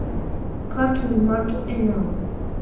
ქართული მარტო ენაა